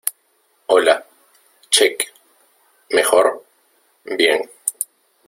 Hola. Check .¿ mejor? bien .